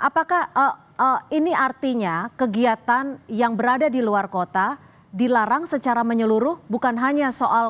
apakah ini artinya kegiatan yang berada di luar kota dilarang secara menyeluruh bukan hanya soal